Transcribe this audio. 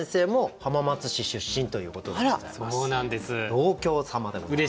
同郷様でございます。